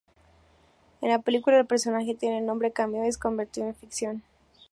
En la película el personaje tiene el nombre cambiado y es convertido en ficción.